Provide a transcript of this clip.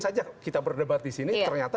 saja kita berdebat disini ternyata